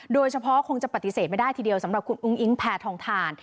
โดยเฉพาะคงจะปฏิเสธไม่ได้ทีเดียวสำหรับคุณอุ้งอิงแพทองทาน